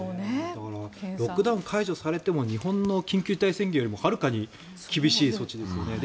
だからロックダウン解除されても日本の緊急事態宣言よりもはるかに厳しい措置ですよね。